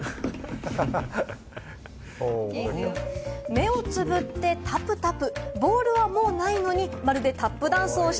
目をつぶってタプタプ。